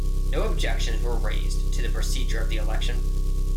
No objections were raised to the procedure of the election.